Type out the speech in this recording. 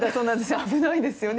危ないんですよね。